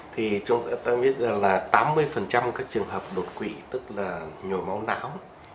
thì chúng ta biết rằng là tám mươi các trường hợp đột quỵ tức là nhồi máu não